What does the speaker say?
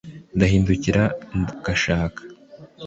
ndahindukira ngashaka